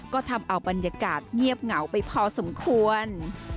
ก็ทำเอาบรรยากาศเงียบเหงาไปพอสมควร